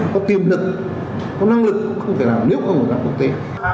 có tiềm lực có năng lực cũng không thể làm nếu không là quốc tế